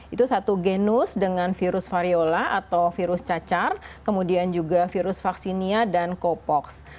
itu satu genus dengan virus variola atau virus cacar kemudian juga virus vaksinia dan copox